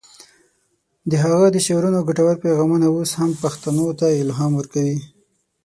د هغه د شعرونو ګټور پیغامونه اوس هم پښتنو ته الهام ورکوي.